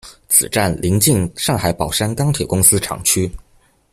此站邻近上海宝山钢铁公司厂区。